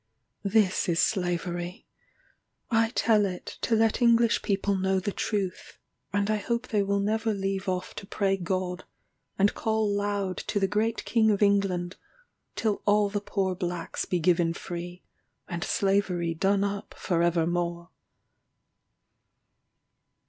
This is slavery. I tell it, to let English people know the truth; and I hope they will never leave off to pray God, and call loud to the great King of England, till all the poor blacks be given free, and slavery done up for evermore.